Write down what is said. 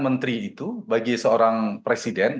menteri itu bagi seorang presiden